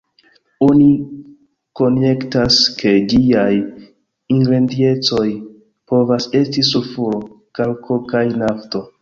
Oni konjektas, ke ĝiaj ingrediencoj povas esti sulfuro, kalko kaj nafto.